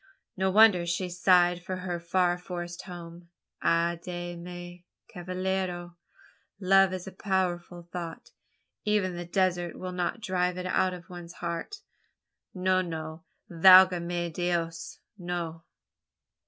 No wonder she sighed for her far forest home. Ay de mi, cavallero! Love is a powerful thought, even the desert will not drive it out of one's heart. No, no; valga me dios! no!"